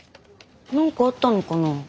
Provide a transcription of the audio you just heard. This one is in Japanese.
何かあったのかな？